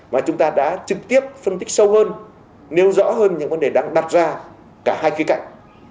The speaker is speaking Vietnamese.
và chúng ta đã trực tiếp phân tích sâu hơn nêu rõ hơn những vấn đề đang đặt ra cả hai khía cạnh